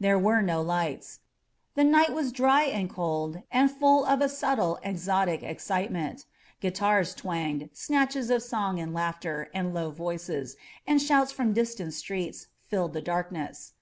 There were no lights. The nig^t was dry and cold and full of a subtle exotic excitement; guitars twanged, snatches of song and laughter and low voices, and shouts from distant streets, filled the darkness.